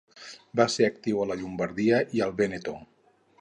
Va ser actiu a la Llombardia i al Vèneto.